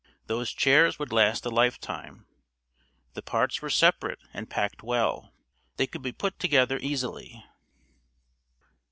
Those chairs would last a lifetime. The parts were separate and packed well. They could be put together easily.